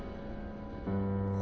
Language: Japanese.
あ。